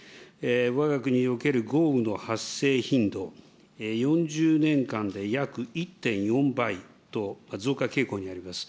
わが国における豪雨の発生頻度、４０年間で約１．４倍と、増加傾向にあります。